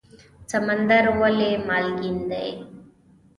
سمندر ولې مالګین دی؟